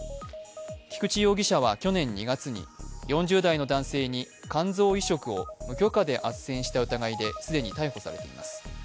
菊池容疑者は去年２月に４０代の男性に肝臓移植を無許可であっせんした疑いで既に逮捕されています。